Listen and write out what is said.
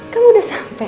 kamu udah sampai